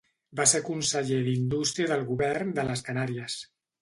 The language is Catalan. Va ser conseller d'Indústria del govern de les Canàries.